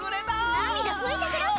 なみだふいてください！